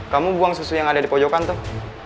kamu buang susu yang ada di pojokan tuh